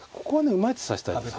うまい手指したいです